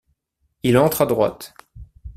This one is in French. Il entre à droite.